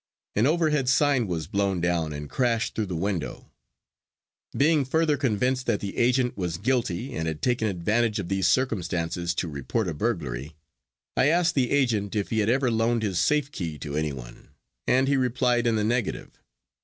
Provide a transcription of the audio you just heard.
An overhead sign was blown down and crashed through the window. Being further convinced that the agent was guilty and had taken advantage of these circumstances to report a burglary, I asked the agent if he had ever loaned his safe key to anyone, and he replied in the negative.